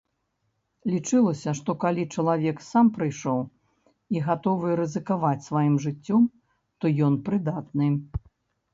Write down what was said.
Лічылася, што калі чалавек сам прыйшоў і гатовы рызыкаваць сваім жыццём, то ён прыдатны.